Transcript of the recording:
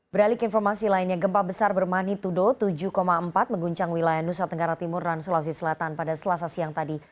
beralik informasi lainnya gempa besar bermani tuduh tujuh empat mengguncang wilayah nusa tenggara timur dan sulawesi selatan pada selasa siang tadi